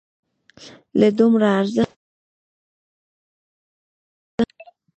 له دومره ارزښت څخه برخمن نه وو.